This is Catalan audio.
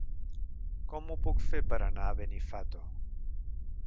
Com ho puc fer per anar a Benifato?